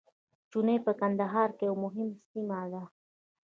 چوڼۍ په کندهار کي یوه مهمه سیمه ده.